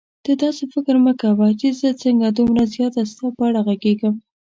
ته داسې فکر مه کوه چې زه څنګه دومره زیاته ستا په اړه غږېږم.